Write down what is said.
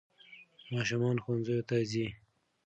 ماشومان ښوونځیو ته ځي.